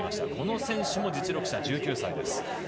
この選手も実力者、１９歳。